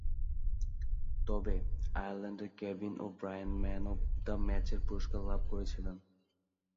তবে, আয়ারল্যান্ডের Kevin O'Brien man of the ম্যাচের পুরস্কার লাভ করেছিলেন।